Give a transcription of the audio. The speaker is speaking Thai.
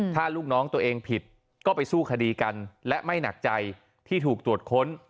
ถ้าลูกน้องตัวเองผิดก็ไปสู้คดีกันและไม่หนักใจที่ถูกตรวจค้น